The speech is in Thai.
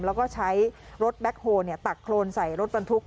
แล้วก็ใช้รถแบ็คโฮลตักโครนใส่รถบรรทุก